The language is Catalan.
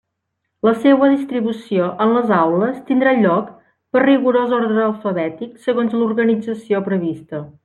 La seua distribució en les aules tindrà lloc per rigorós orde alfabètic segons l'organització prevista.